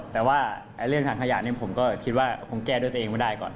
แต่ว่าเรื่องถังขยะนี้ผมก็คิดว่าคงแก้ด้วยตัวเองไม่ได้ก่อน